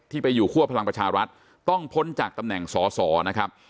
ไปอยู่คั่วพลังประชารัฐต้องพ้นจากตำแหน่งสอสอนะครับ